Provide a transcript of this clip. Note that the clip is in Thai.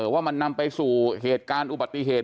ว่ามันนำไปสู่เหตุการณ์อุบัติเหตุ